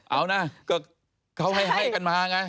เอานะก็เขาให้กันมาไง